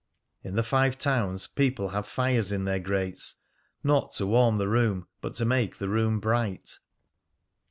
In the Five Towns people have fires in their grates not to warm the room, but to make the room bright.